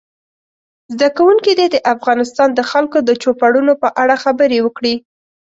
زده کوونکي دې د افغانستان د خلکو د چوپړونو په اړه خبرې وکړي.